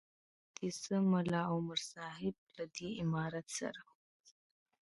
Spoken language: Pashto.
دوه دې سه ملا عمر صاحب له دې امارت سره.